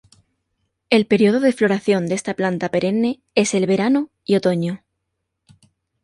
El periodo de floración de esta planta perenne es el verano y otoño.